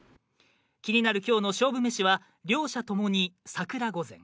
気になる今日の勝負めしは両者共に桜御膳。